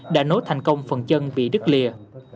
đã nối thành công phần chân bị đứt lìa